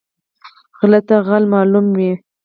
غله ته غل معلوم وي